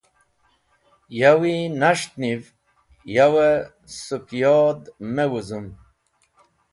Yawi nẽs̃ht niv yo sẽk yod me wũzẽm.